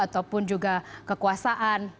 ataupun juga kekuasaan